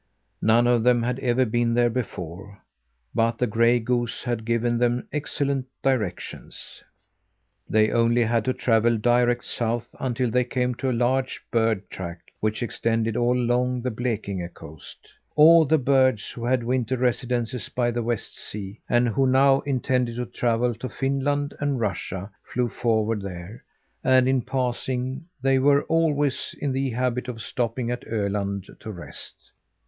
None of them had ever been there before, but the gray goose had given them excellent directions. They only had to travel direct south until they came to a large bird track, which extended all along the Blekinge coast. All the birds who had winter residences by the West sea, and who now intended to travel to Finland and Russia, flew forward there and, in passing, they were always in the habit of stopping at Öland to rest.